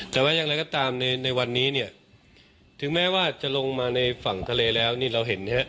แต่ว่าอย่างไรก็ตามในวันนี้เนี่ยถึงแม้ว่าจะลงมาในฝั่งทะเลแล้วนี่เราเห็นนะครับ